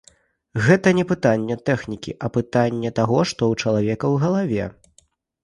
Гэта не пытанне тэхнікі, а пытанне таго, што ў чалавека ў галаве.